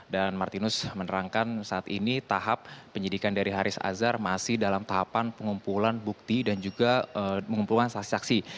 dan martinus menerangkan saat ini tahap penyidikan dari haris azhar masih dalam tahapan pengumpulan bukti dan juga pengumpulan saksi saksi